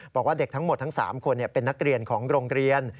บอกว่าเด็กทั้งหมดทั้ง๓คนเป็นนักเรียนของโรงเรียน